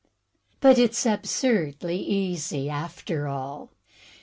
"But it's absurdly easy, after all.